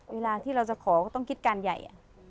เวลาที่เราจะขอก็ต้องคิดการใหญ่